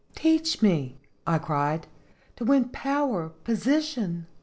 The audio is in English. " Teach me," I cried, " to win power, posi tion!"